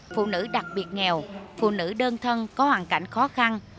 phụ nữ đặc biệt nghèo phụ nữ đơn thân có hoàn cảnh khó khăn